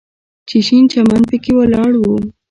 چې شين چمن پکښې ولاړ و.